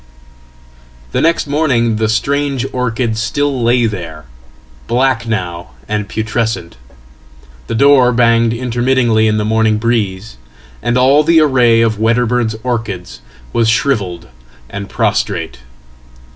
The next morning the strange orchid still lay there, black now andputrescent. The door banged intermittently in the morning breeze, and allthe array of Wedderburn's orchids was shrivelled and prostrate.